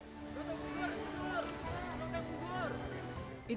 gatok kubur kubur gatok kubur